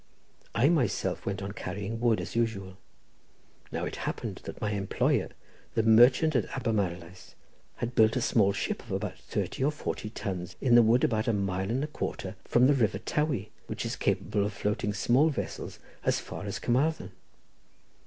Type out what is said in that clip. I myself went on carrying wood as usual. Now it happened that my employer, the merchant at Abermarlais, had built a small ship, of about thirty or forty tons, in the wood, about a mile and a quarter from the river Towy, which is capable of floating small vessels as far as Carmarthen.